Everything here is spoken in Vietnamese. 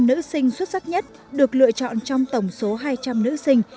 một mươi năm nữ sinh xuất sắc nhất được lựa chọn trong tổng số hai trăm linh nữ sinh